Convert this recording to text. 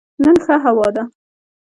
نن ښه هوا ده